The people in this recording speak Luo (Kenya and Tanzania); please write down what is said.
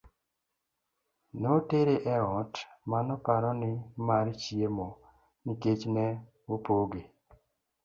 notere e ot manoparo ni mar chiemo nikech ne opoge